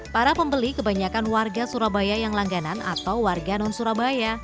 para pembeli kebanyakan warga surabaya yang langganan atau warga non surabaya